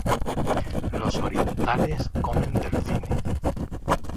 Los orientales comen delfines.